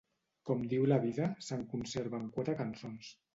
Com diu la vida, se'n conserven quatre cançons.